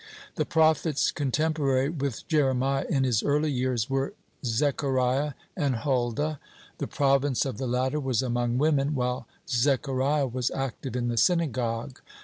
The prophets contemporary with Jeremiah in his early years were Zechariah and Huldah. The province of the latter was among women, while Zechariah was active in the synagogue.